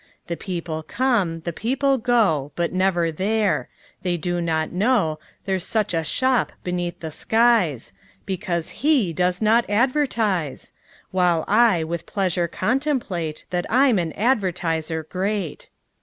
The people come, The people go, But never there. They do not know There's such a shop beneath the skies, Because he does not advertise! While I with pleasure contemplate That I'm an advertiser great.